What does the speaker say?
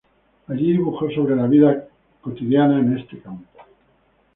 Allí dibujó sobre la vida cotidiana en este campo.